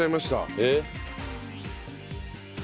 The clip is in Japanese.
えっ？